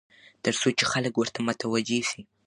تر څو چې خلک ورته متوجع شي.